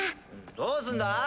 どうすんだ？